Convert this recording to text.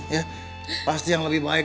ya pasti yang lebih baik